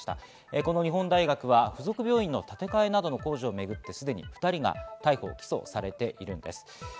この日本大学は付属病院の建て替えなどの工事をめぐって、すでに２人が逮捕・起訴されているんです。